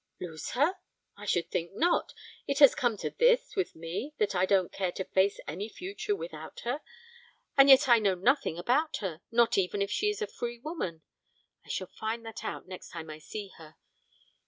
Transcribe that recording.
Lose her? I should think not. It has come to this with me that I don't care to face any future without her; and yet I know nothing about her, not even if she is a free woman. I shall find that out the next time I see her.